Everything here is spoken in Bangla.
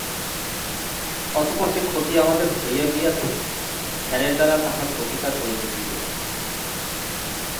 অতঃপর যে ক্ষতি আমাদের হইয়া গিয়াছে, ধ্যানের দ্বারা তাহার প্রতিকার করিতে হইবে।